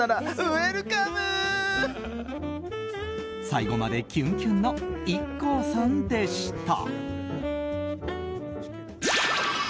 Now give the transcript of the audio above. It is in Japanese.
最後までキュンキュンのＩＫＫＯさんでした。